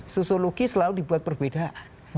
sosiologi selalu dibuat perbedaan